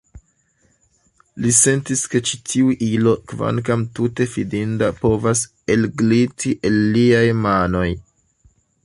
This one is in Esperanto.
Li sentis, ke ĉi tiu ilo, kvankam tute fidinda, povas elgliti el liaj manoj.